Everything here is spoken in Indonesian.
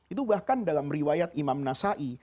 itu bahkan dalam riwayat imam nasai